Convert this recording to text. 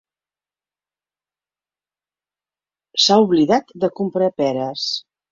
S'ha oblidat de comprar peres.